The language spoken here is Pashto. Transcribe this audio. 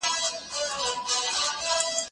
زه کولای سم پلان جوړ کړم